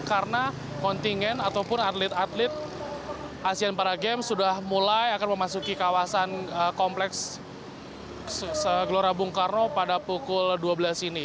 karena kontingen ataupun atlet atlet asean paragames sudah mulai akan memasuki kawasan kompleks gelora bung karno pada pukul dua belas ini